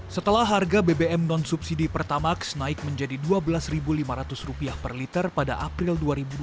setelah harga bbm non subsidi pertamax naik menjadi rp dua belas lima ratus per liter pada april dua ribu dua puluh